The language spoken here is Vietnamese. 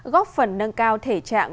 góp phần nâng cao thể trạng